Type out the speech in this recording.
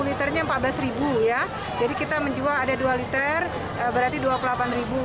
liternya rp empat belas ya jadi kita menjual ada dua liter berarti dua puluh delapan